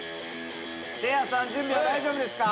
せいやさん準備は大丈夫ですか？